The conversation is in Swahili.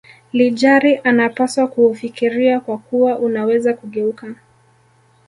lijari anapaswa kuufikiria kwa kuwa unaweza kugeuka